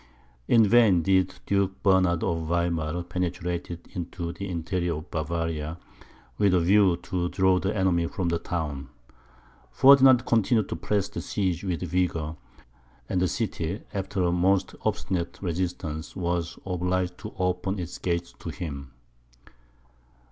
In vain did Duke Bernard of Weimar penetrate into the interior of Bavaria, with a view to draw the enemy from the town; Ferdinand continued to press the siege with vigour, and the city, after a most obstinate resistance, was obliged to open its gates to him.